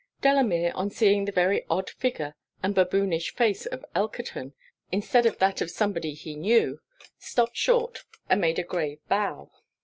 Delamere, on seeing the very odd figure and baboonish face of Elkerton, instead of that of somebody he knew, stopped short and made a grave bow.